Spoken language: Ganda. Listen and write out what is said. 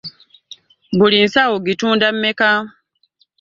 Buli nsawo ogitunda mmeka?